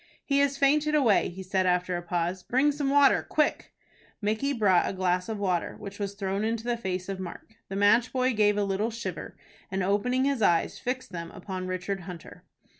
"He has fainted away," he said, after a pause. "Bring some water, quick!" Micky brought a glass of water, which was thrown in the face of Mark. The match boy gave a little shiver, and, opening his eyes, fixed them upon Richard Hunter.